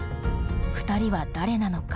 ２人は誰なのか。